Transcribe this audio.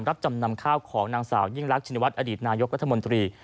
รับจำนำข้าวของนางสาวยิ่งรักชินวัฒนอดีตนายกรัฐมนตรี